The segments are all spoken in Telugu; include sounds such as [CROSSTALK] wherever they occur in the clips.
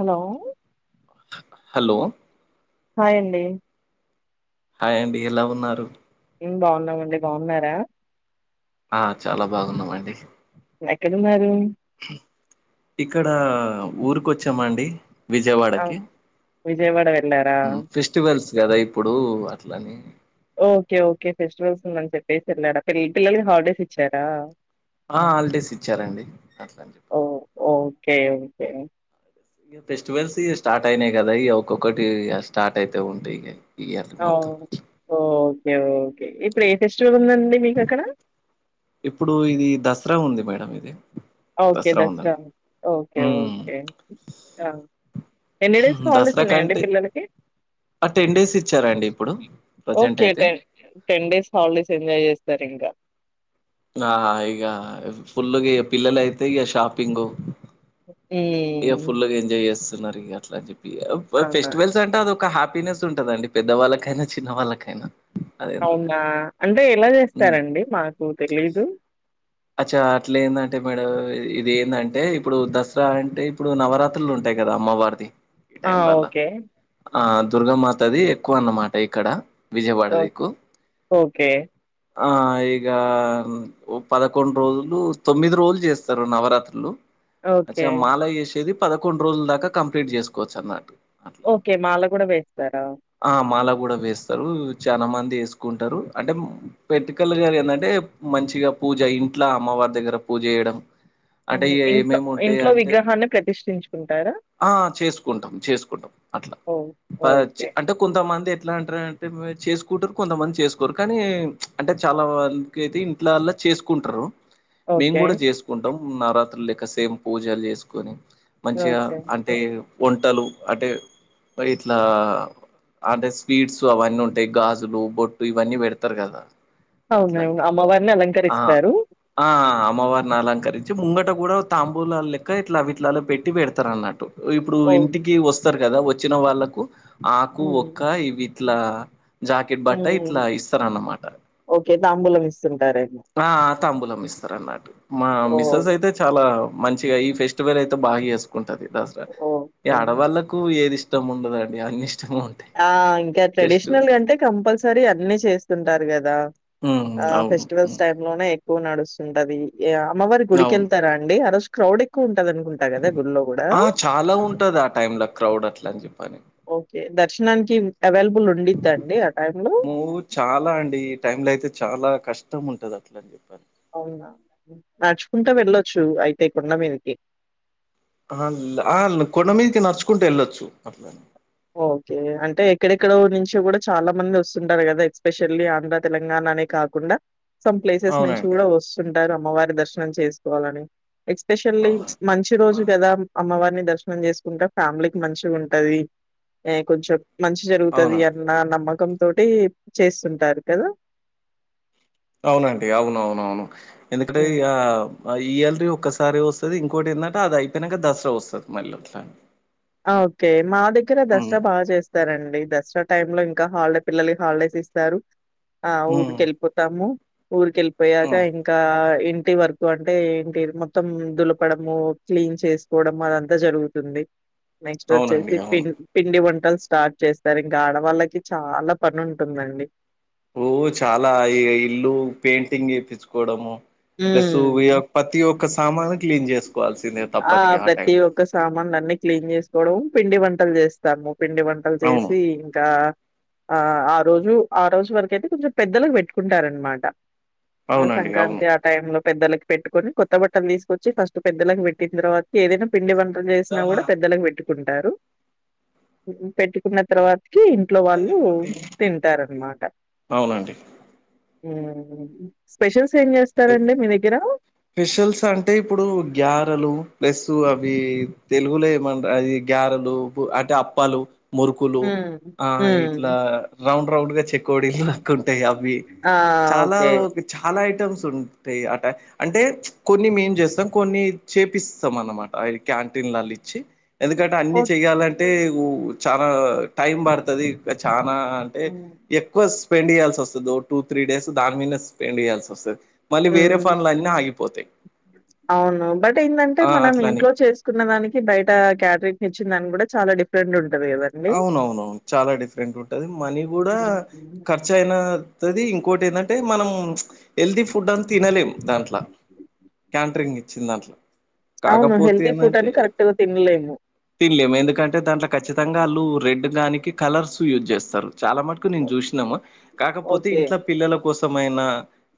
హలో హలో హాయండి హాయ్ అండి ఎలా ఉన్నారు ఉ బాగున్నామండి బాగున్నారా ఆ చాలా బాగున్నామండి ఎక్కడున్నారు? ఇక్కడ ఊరికొచ్చామా అండి. ఆ విజయవాడకి విజయవాడ వెళ్ళారా మ్ ఫెస్టివల్స్ గదా ఇప్పుడు అట్లని ఓకే ఓకే ఫెస్టివల్స్ ఉందని చెప్పేసి వెళ్ళాడా పిల్లలకి హాలిడేస్ ఇచ్చారా? ఆ హాలిడేస్ ఇచ్చారండి అట్లా అని చెప్పని కె ఓకే ఫెస్టివల్స్ ఇక స్టార్ట్ అయినాయి కదా ఇ ఒక్కొక్కటి స్టార్ట్ అయితే ఉంటాయి ఇక ఇయన్ని మొత్తం ఇచ్చి కె ఓకే ఇప్పుడు ఏ ఫెస్టివల్ందండి? ఇప్పుడు ఇది దసరా ఉంది మేడం ఇది okay Dasara um, okay okay the ఎన్ని డేస్ హాలిడేస్ దసరా ఉన్నాయండి కంటే పిల్లలకి? ఆ టెన్ డేస్ ఇచ్చారండి ఇప్పుడు ప్రజెంట్ ఓకే అయితే done ten days holidays enjoy చేస్తా రింగా ఆ ఇగ ఫుల్ గా పిల్లలు అయితే ఇగ షాపింగు ఇగ హ్మ్ ఫుల్గా ఎంజాయ్ చేస్తున్నారు ఇక అట్లా అని చెప్పి అవునా ఫెస్టివల్స్ అంటే అది ఒక హ్యా పీనెస్ ఉంటదండి పెద్దవాళ్ళకైనా, చిన్న వాళ్ళకైనా అవునా అంటే ఎలా హ్మ్. చేస్తారండి మాకు తెలీదు అచ్చా అట్లే ఏందంటే మేడం ఇది ఏందంటే ఇప్పుడు దసరా అంటే ఇప్పుడు నవరాత్రులు ఉంటాయి. గదా అమ్మవారిది ఈ ఆ టైంలల్ల. ఓకే ఆ దుర్గామాతది ఎక్కువ అన్నమాట ఇక్కడ విజయవాడ ఓ దిక్కు. ఓకే ఆ ఇగ ఓ పదకొండు రోజులు తొమ్మిది రోజులు చేస్తారు నవరాత్రులు. అచ్చ ఓకే. మాల వేసేది పదకొండు రోజుల దాకా కంప్లీట్ చేసుకోవచ్చు అన్నట్టు అట్లా ఓకే మాల కూడా వేస్తారా? ఆ మాల కూడా వేస్తారు చాలా మంది వేసుకుంటారు. అంటే పెట్టుకల్ళ గారు ఏంటంటే మంచిగా పూజ ఇంట్లో అమ్మవారి దగ్గర పూజ చేయడం అంటే మ్ ఇక ఇంట్లో ఏమేమి ఉంటాయి ఇంట్లో అంటే విగ్రహాన్ని ప్రతిష్ఠించుకుంటారా? ఆ చేసుకుంటాం చేసుకుంటాం అట్లా ఓహ్! ప అచ్చి ఓకే. అంటే కొంతమంది ఇట్లా అంటరు అంటే చేసుకుంటారు కొంతమంది చేసుకోరు కానీ చ్ అంటే చాలా వాళ్ళకి అయితే ఇంట్లల్ల చేసుకుంటారు మేము ఓకే. కూడా చేసుకుంటాం. నవరాత్రు లెక్క సేమ్ పూజలు చేసుకొని మంచిగా ఓకే. అంటే వంటలు అంటే పై ఇట్లా అంటే స్వీట్స్ అవన్నీ ఉంటాయి గాజులు, బొట్టు ఇవన్నీ పెడతారు కదా. అవునువును అమ్మ వారు ని అలా ఆ ఆమ్ అమ్మవారిని అలంకరించి ముంగట కూడా తంబూల లెక్క ఇట్లావిట్లాలో పెట్టి పెడతారు అన్నట్టు ఇప్పుడు ఓహ్! ఇంటికి వస్తారు కదా వచ్చిన వాళ్ళకు ఆకు హ్మ్. ఒక్క ఇవి ఇట్లా జాకెట్ బట్ట హ్మ్. ఇట్లా ఇస్తారన్నమాట ఓకే. తాంబూలం ఇస్తుంటారేమో! ఆ తాంమ్బులం మిస్తర్ అన్నాట్ మా ఓహ్! మిస్సెస్ అయితే చాలా మంచిగా ఈ ఫెస్టివల్ అయితే బాగా చేసుకుంటది. దసరా ఈ ఓకే. ఆడవాళ్ళలకు ఏది ఇష్టం ఉండదండి అన్ని ఇస్ ఆ ఇంకా ట్రెడిషనల్ గా అంటే కంపల్సరీ అన్ని చేస్తుంటారు కదా ఉమ్, ఆ అవును ఫెస్టివల్స్ ఉమ్, టైం లోనే ఎక్కువ నడుస్తుంటది అమ్మవారి అవును గుడికెళ్తారాండి ఆ రోజు క్రౌడ్ ఎక్కువ ఉం ఆ చాలా ఉంటది ఆ టైమ్ ల క్రౌడ్ అట్లా అని చెప్పని ఓకే దర్శనానికి అవైలబుల్ ఉండిద్దండి ఆ టైమ్ లో మూవ్ చాలా అండి ఈ టైమ్ లో అయితే చాలా కష్టం ఉంటది అట్లని అవునా నడుచుకుంటా వెళ్ళొచ్చు అయితే కొండ మినికి అ ఆ కొండ మీదకి నడుచుకుంట వెళ్ళొచ్చు ఓకే అంటే ఎక్కడెక్కడో నుంచి కూడా చాలా మంది వస్తుంటారు కదా ఎస్పెషల్లీ ఆంధ్ర తెలంగాణ అనే కాకుండా సమ్ ప్లేసెస్ నుంచి అవునండి కూడా వస్తుంటారు అమ్మవారి దర్శనం చేసుకోవాలని ఎక్స్పెషల్లీ అవునండి మంచి రోజు కదా అమ్మవారిని దర్శనం చేసుకుంటా ఫ్యామిలీకి మంచిగుంటది ఏ కొంచెం మంచి జరుగుతది అవునా అన్న నమ్మ కం తోటి చేస్తుంటారు కదా అవునండి అవునవునవును ఎందుకంటే హ్మ్. ఇగా ఇయర్లి ఒక్కసారి వస్తది ఇంకోటి ఏంటంటే అది అయిపోయినంక దసరా వస్తది మళ్ళీ అట్లా ఆ ఓకే మా దగ్గర హ్మ్ దసరా బాగా చేస్తారండి దసరా టైమ్ లోం ఇన్ ఇంకా హాలిడే పిల్లలకి హాలిడేస్ ఇస్తారు ఆ హ్మ్ ఊరికి వెళ్ళిపోతాము ఊరికి వెళ్ళిపోయాక హ్మ్ ఇంకా ఇంటి వర్కు అంటే ఇంటి మొత్తం దులపడము క్లీన్ చేసుకోవడంము అదంతా జరుగుతుంది నెక్స్ట్ అవునండి వచ్చేసి అవును పిన్ పిండి వం టల్ స్టార్ట్ చేస్తారు ఇంకా ఆడవాళ్ళకి చాలా పని ఉంటుందండి ఓ చాలా ఈ ఇల్లు పెయింటింగ్ ఎప్పించ్చుకోవడము ప్లస్సు హ్మ్. ఇగ పతి యొక్క సామాను క్లీన్ చేసుకోవాల్సిందే ఆ తప్పదిగా టైం ప్రతి ఒక్క సామానులన్ని క్లీన్ చేసుకోవడం పిండి వంటలు చేస్తాము పిండి వంటలు అవును చేసి ఇంకా ఆ ఆ రోజు ఆ రోజు వరకు అయితే కొంచెం పెద్దలకు పెట్టుకుంటారనమాట ఆ అవునండి సంక్రాంతి ఆ టైమ్ లో పెద్దలకి పెట్టుకొని కొత్త బట్టలు తీసుకొచ్చి ఫస్ట్ పెద్దలకి పెట్ పెట్టిన తర్వాత ఏదైనా పిండి వంటలు చేసినా అవును కూడా పెద్దలకు పెట్టు కుంటారు పెట్టుకున్న తర్వాత కి ఇంట్లో వాళ్ళు తింటారన్నమాట అవునండి ఉ స్పెషల్స్ ఏం చేస్తారండి మీ దగ్గర? స్పేషల్స్ అంటే ఇప్పుడు గ్యారలు ప్లస్ అవి తెలుగులే ఏమంట అది గ్యారలు అంటే అప్పాలు మురుకులు హ్మ్. ఆ ఇట్లా హ్మ్. రౌండ్ రౌండ్ గా చెక్ కోడిలు లక్కుంటాయి అవి ఆ! చాలా ఓకే. చాలా ఉంటయ్ అట అంటే కొన్ని మేం చేస్తాం కొన్ని చేపిస్తాం అన్నమాట క్యాంటీన్ లల ఇచ్చి ఎందుకంటే అన్ని ఓహ్! చెయాలంటే చాలా టైం పడుతది ఇగ చానా అంటే హ్మ్. ఎక్కువ సే స్పెండ్ చేయాల్సి వస్తది ఓ టూ త్రీ డేస్ దాని మీద స్పెండ్ చేయాల్సి వస్తుంది మళ్ళీ వేరే హ్మ్. ఫన్లు అన్ని ఆగిపోతాయ్ అవును బట్ ఎందంటే ఆ మనం అట్లని ఇంట్లో చేసుకున్న దానికి బయట క్యాటరట్ ని ఇచ్చిన దానికి కూడా చాల డిఫరెంట్ ఉన్ అవునవునవును చాలా డిఫరెంట్ ఉంటది మనీ కూడా ఖర్చు అయినా తది ఇంకోటి ఏందంటే మనం హెల్తీ ఫుడ్ అని తినలేం దాంట్ల క్యాంటరింగ్ ఇచ్చిన్ దాంట్ల అవును. కాకపోతే హెల్తీ ఎందంటే ఫుడ్డని కరెక్ట్‌గా తినలేము. తిన్ల్లేము ఎందుకంటే దాంట్లో ఖచ్చి వాళ్ళు రెడ్ దానికి కలర్స్ యూజ్ చేస్తారు. చాలా మటుకు నేను చూసినాము కాకపోతే ఓకే. ఇంట్లో పిల్లల కోసమయినా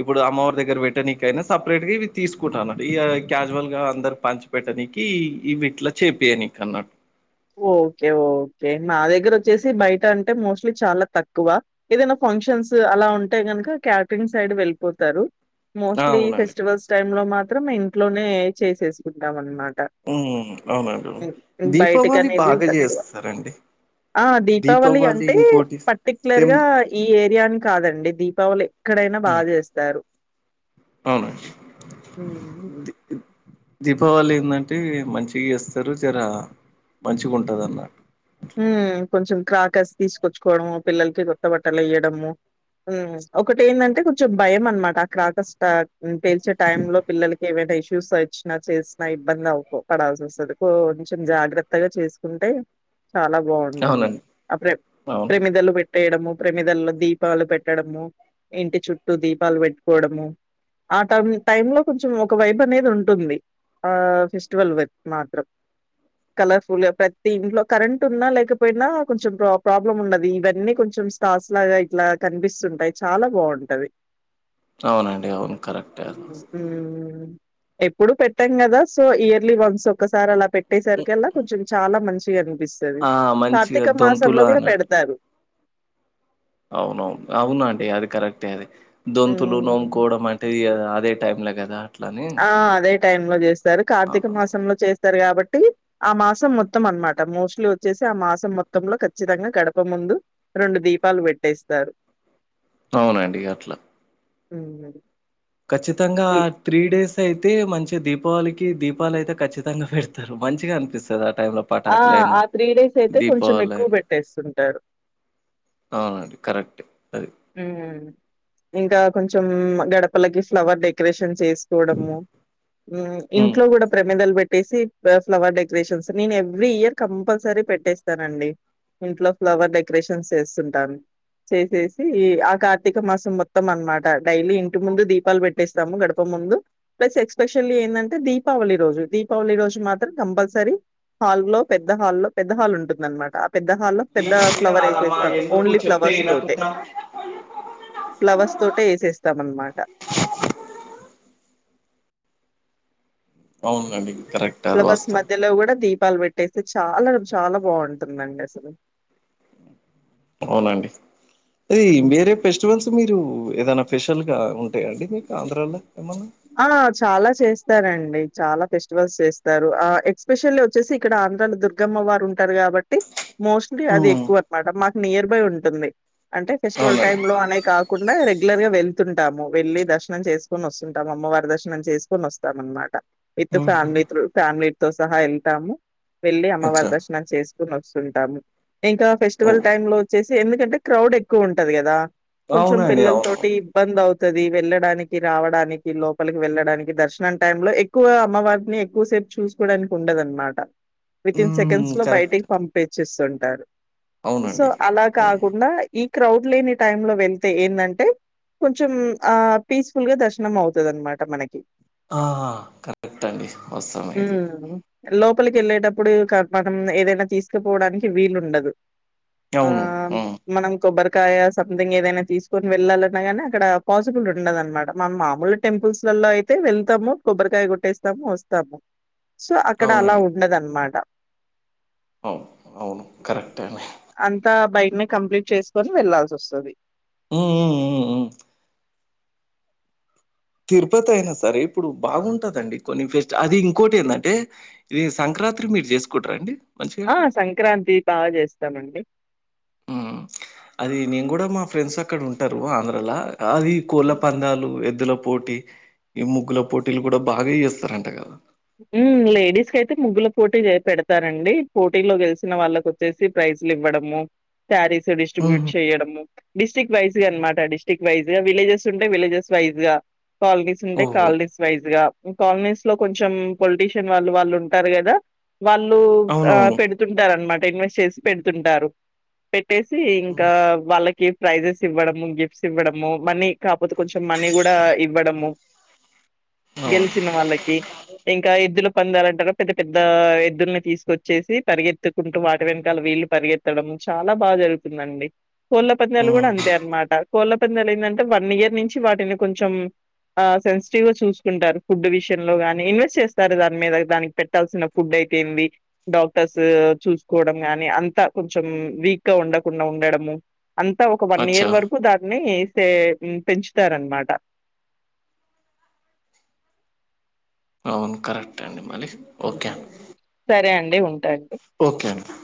ఇప్పుడు అమ్మవారి దగ్గర పెట్టడా నకైనా సపరేట్ గావి తీసుకు కుంటా అన్నట్టు ఈ క్యాజువల్ గా అందరు పంచి పెట్టడానికి ఈవిట్లా చేపియనిక అన్నట్టు ఓకే ఓకే నా దగ్గర వచ్చేసి బయట అంటే మోస్ట్లీ చాలా తక్కువ ఏదైనా ఫంక్షన్స్ అలా ఉంటాయి గనుక క్యాటరింగ్ సైడ్ వెళ్ళిపోతారు. ఆ మోస్ట్లీ అవునండి ఫెస్టివల్స్ టైమ్ లో మాత్రం ఇంట్లోనే చేసేసుకుంటాం అనమాట మ్ అవునండివును దీపావళి బయటకనేది బాగా తక్కువ. చేస్తారండి. ఆ దీపావళి అంటే పర్టిక్యులర్ సేమ్ గా ఈ ఏరియాని కాదండి దీపావళి ఎక్కడైనా బా ఉమ్ చేస్తారు. అవునండి హ్మ్. దీపావళి ఏందంటే మంచిగా ఇస్తారు జర మంచిగుంటదన్న మ్ కొంచెం క్రాకర్స్ తీసుకొచ్చుకోవడము, పిల్లలకి రొట్ట బట్టలు వేయడము మ్ ఒకటి ఏంటంటే కొంచెం భయం అనమాట ఆక్రారాకస్ పేలిచే టైమ్ లో పిల్లలకి ఏవైన ఇష్ చూస వచ్చినా చేసినా ఇబ్బంది అవకో పడాల్సి వస్తది కొంచెం జాగ్రత్త కొత్తగా చేసుకుంటే చాలా బావుంటది అవునండి ఆ ప్రే అవును ప్రమిదలు పెట్టి ట్టేయడము ప్రమిదల్లో దీపాలు పెట్టడము ఇంటి చుట్టూ దీపాలు పెట్టుకోవడము. ఆ టం టైమ్ లో కొంచెం ఒక వైబ్ అనేది ఉంటుంది. ఆ ఫెస్టివల్ వన్ మాత్రం కలర్ఫుల్ ప్రతి ఇంట్లో కరెంట్ ఉన్నా, లేకపోయినా కొంచెం ప్ర ప్రాబ్లమ్ ఉన్నది. ఇవన్నీ కొంచెం స్ట కాస్ లాగా ఇట్లా కనిపిస్తుంటాయి చాలా బావుంటది. అవునండి అవును కరెక్టే అది ఉ ఉఉమ్ ఎప్పుడు పెట్టాం కదా సో ఇయర్లీ వన్స్ ఒకసారి అలా పెట్టేసారు. కల్లా కొంచెం చాలా మంచిగా అనిపిస్తది ఆ మంచిగా కార్తీక దొంతులు మాసంలో కూడా అన పెడతారు. అవునవును అవునండి అది కరెక్టే అది దొంతులు హ్మ్. నొముకోవడం అంటేదిగా ఇదే టైం లేగద ఆ అదే టైమ్ లో చేస్తారు కార్తీక అవును మాసంలో చే స్తారు కాబట్టి ఆ మాసం మొత్తం అనమాట మోస్ట్లీ వచ్చేసి ఆ మాసం మొత్తంలో ఖచ్చితంగా గడప ముం దు రెండు దీపాలు పెట్టేస్తారు. అవునండి అట్లా అవునండి ఖచ్చితంగా త్రీ డేస్ అయితే మంచిగా దీపావళికి దీపాలు అయితే ఖచ్చి తంగా పెడతారు మంచిగా అనిపిస్తది అ టైమ్ లో ఆ! పాఠకలేనా, ఆ డేస్ అయితే కొంచెం ఎక్కువ దీపవాలైన పెట్టేస్తుంటారు. అవునండి కరెక్ట్ అది మ్ ఇంకా కొంచెం గడపలకి ఫ్లవర్ డెకరేషన్ చేసుకోవడం మ్ హ్మ్ ఇంట్లో కూడా ప్రమిదల పె పెట్టేసి ఫ్లవర్ డెకరేషన్స్ నేను ఎవ్రీ ఇయర్ కంపల్సరీ పెట్టేస్తానండి ఇంట్లో ఫ్లవర్ డెకరేషన్స్ చేస్తుంటాను చేసేసి ఈ ఆ కార్తీక మాసం మొత్తం అనమాట డైలీ ఇంటి ముందు దీపాలు పెట్టేస్తాము గడప ముందు ప్లస్ ఎక్స్పెషల్లీ ఏంటంటే దీపావళి రోజు దీపావళి రోజు మాత్రం కంపల్సరీ హాల్ల్లో పెద్ద హాల్లో పెద్ద హాల్ ఉంటుందన్నమాట. పెద్ద హాల్లో పెద్ద ఫ్లవర్ వేసేస్తాం ఓన్లీ ఫ్లవర్స్ తోటే ఫ్లవర్స్ తోటే చేసేస్తామన్నమాట. [INAUDIBLE] అవునండి. కరెక్ట్ అది ఫ్లవర్స్ వాస్తవం మధ్యలో కూడా దీప్. అప్పలు పెట్టేస్తే చాలా చాలా బాగుంటుందండి అసలు. అవునండి అది హ్మ్. వేరే ఫెస్టివల్స్ మీరు. ఏదైనా స్పెషల్ గా ఉంటాయండి మీకు ఆంధ్రాలో ఏమన్నా. ఆ! చాలా చేస్తారండి చాలా ఫెస్టివల్స్ చేస్తారు. ఆహ్ ఎస్పెషల్లీ వచ్చేసి ఇక్కడ ఆంధ్రాల దుర్గమ్మ వా. వారు ఉంటారు కాబట్టి. మోస్ట్లీ అది ఉమ్ ఎక్కువ అనమాట మాకు నియర్ బై ఉంటుంది అంటే ఫెస్టివల్ అవునండి టైమ్ లో అనే కాక. కుండ రెగ్యు. రెగ్యులర్ గా వెళ్తుంటాము వెళ్ళి దర్శనం చేసుకొని వస్తుంటాము అమ్మవారి దర్శనం చేసుకొని వస్తాం అనమాట. విత్ ఉహు ఫ్యామిలీ త్రు ఫ్యామిలీ తో సహా వెళ్తాము వెళ్ళి అమ్మవారి అచ్చా దర్శనం చేసి. వస్తుంటాము ఇంకా ఓ ఫెస్టివల్ టైమ్ లో వచ్చేసి ఎందుకంటే క్రౌడ్ ఎక్కువ ఉంటది కదా. అవునండి అవును. ఇబ్బంది అవు. తది వెళ్లడానికి రావడానికి లోపలికి వెళ్ళడానికి దర్శనం టైం లో ఎక్కువ అమ్మవారిని ఎక్కువసేపు. చూసుకోవడానికి ఉండదనమాట వితిన్ ఉమ్ సెకండ్స్ లో కరెక్ట్ బయటికి పంపేచ్చేస్తుంటారు. సో అవునండి అలా అవును కాకుండా ఈ క్రౌడ్ లేని టైమ్ లో వెళ్తే ఏందంటే. కొంచెం ఆహ్ పీస్ఫుల్ గా దర్శనం అవుతది అనమాట మనకి. ఆహ్ కరెక్ట్ అండి హాట్ సామ్ ఇది. లోపలికి వెళ్ళేటప్పుడు కాని మనం ఏదైనా తీసుకుపోవడానికి వీలు ఉండదు. అవును ఆహ్ ఉమ్ మనం కొబ్బరికాయ సంథింగ్ ఏదైనా తీసుకొని వెళ్ళాలం. గాని అక్కడ పాసిబుల్ ఉండదనమాట మనం మాముూలు టెంపుల్స్ లో అయితే వెళ్తాము కొబ్బరికాయ కొట్టేస్తాం. వస్తాము సో అక్కడ అలా అవునండి ఉండదనమాట. అవును అవును కరెక్టేనే. అన్ని కంప్లీట్ చేసుకొని వెళ్లాల్సి వస్తది. ఉమ్మ్ ఉమ్మ్. తిరుపతి అయినా సరే ఇప్పుడు బాగుంటదండి కొన్ని ఫెస్ట్ అది ఇంకోటి ఏందంటే ఇది సంక్రాంతి. అర్ధరాత్రి మీరు చేసుకుంటార అండి. మంచిగా అక్కడ ఆహ్ సంక్రాంతి బాగా చేస్తామండి. ఉమ్ అది నేను కూడా మా ఫ్రెండ్స్ అక్కడ ఉంటారు ఆంధ్రలా. అది కోళ్ల పందాలు ఎద్. ఎద్దుల పోటీ ఈ ముగ్గుల పోటీలు కూడా బాగా చేస్తారంట కదా. ఉమ్ లేడీస్ కి అయితే ముగ్గుల పోటీ పె పెడతారండి. పోటీ లో గెలిసిన వాళ్ళకు వచ్చేసి ప్రైజ్. ఇవ్వడము సారీస్ డిస్ట్రిబ్యూట్ హుహు. చేయడము. డిస్టిక్ట్ వైజ్గా అనమాట డిస్టిక్ట్ వైజ్గా విలేజెస్ ఉంటే విలేజె వైజ్గా. కాలనీస్ ఉంటే ఓహ్! ఓకే. కాలనీస్ వైజ్ గా కాలనీస్ లో కొంచెం. ఉమ్ కొంచెం పొలిటీషియన్ వాళ్ళు వాళ్ళు ఉంటారు కదా వాళ్ళు ఆహ్ అవునవును. పెడుతుంటారు అనమాట. ఇన్వెస్ట్ చేసి పెడుతుంటారు. పెట్టేసి ఇంకా హ్మ్. వాళ్ళకి. ప్రైజెస్ ఇవ్వడము గిఫ్ట్స్ ఇవ్వడము మనీ కాకపోతే కొంచెం మనీ కూడా ఇవ్వడము. అవును. గెలిచిన వాళ్ళకి ఇంకా ఎద్దుల. పందాలంటారుగా పెద్ద పెద్ద ఎద్దుల్ని తీసుకొచ్చేసి పరిగెత్తుకుంటూ వాటి వెనకాల వీళ్ళు పరిగెత్తడం. చాలా బాగా జరుగుతుందండి. కోళ్ళ పందాలు కూడా హ్మ్. అంతే అనమాట కోళ్ళు. పందాలేందంటే వన్ ఇయర్ నుంచి వాటిని కొంచెం. ఆ సెన్సిటివ్ గా చూసుకుంటారు ఫుడ్ విషయంలో గాని ఇ చేస్తారు దాని మీద దా పెట్టాల్సిన ఫుడ్ ఫీట్ ఏంది డాక్టర్స్ చూకోవడం గాని అంత కొంచెం వీక్ గా ఉండకుండా ఉండడము అంతా ఒక వన్ అచ్చా! ఇయర్ వరకు దాన్ని పెంచుతారనమాట అవును కరెక్ట్ అండి మరి ఓకే అండి. సరే అండి ఉంటాను ఓకే అండి